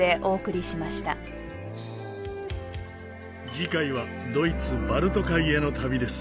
次回はドイツバルト海への旅です。